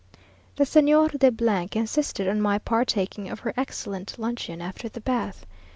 The Señora de insisted on my partaking of her excellent luncheon after the bath.